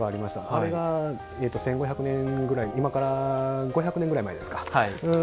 あれが１５００年ぐらい今から５００年ぐらい前ですか。